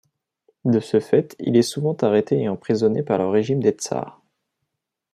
De ce fait, il est souvent arrêté et emprisonné par le régime des Tzars.